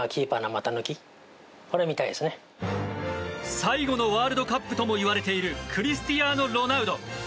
最後のワールドカップともいわれているクリスティアーノ・ロナウド。